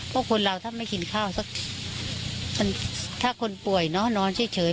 เพราะคนเราถ้าไม่กินข้าวถ้าคนป่วยนอนเฉย